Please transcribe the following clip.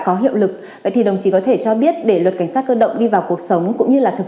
có hiệu lực thì đồng chí có thể cho biết để luật cảnh sát cơ động đi vào cuộc sống cũng như là thực